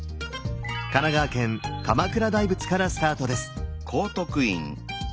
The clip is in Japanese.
神奈川県鎌倉大仏からスタートです！